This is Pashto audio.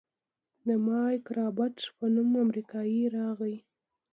د مايک رابرټ په نوم امريکايي راغى.